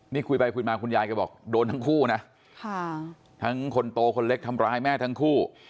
นี่คุยไปคุยมาคุณยายก็บอกโดนทั้งคู่นะทั้งคนโตคนเล็กทำร้ายแม่ทั้งคู่